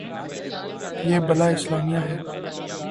یہ بلاد اسلامیہ ہیں۔